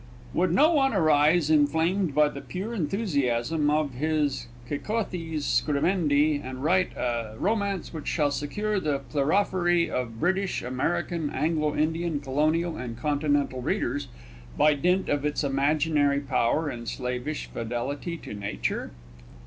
Would no one arise, inflamed by the pure enthusiasm of his cacoethes scribendi, and write a romance which shall secure the plerophory of British, American, Anglo Indian, Colonial, and Continental readers by dint of its imaginary power and slavish fidelity to Nature?